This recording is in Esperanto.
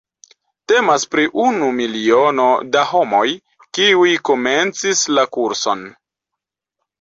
Temas pri unu miliono da homoj, kiuj komencis la kurson.